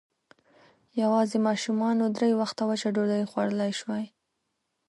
يواځې ماشومانو درې وخته وچه ډوډۍ خوړلی شوای.